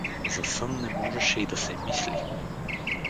За сън не можеше и да се мисли.